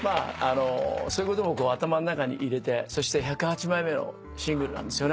そういうことも頭の中に入れてそして１０８枚目のシングルなんです。